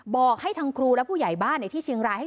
บอกให้ทางครูและผู้ใหญ่บ้านในที่เชียงรายให้